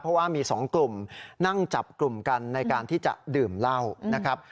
เพราะว่ามี๒กลุ่มนั่งจับกลุ่มกันในการที่จะดื่มเหล้านะครับ